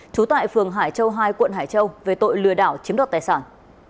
chú tại phường hải châu hai quận hải châu về tội lừa đảo chiếm đọt tài sản